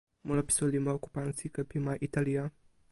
mulapisu li moku pan sike pi ma Italija.